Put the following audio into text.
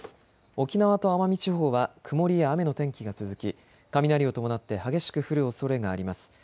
沖縄と奄美地方は曇りや雨の天気が続き雷を伴って激しく降るおそれがあります。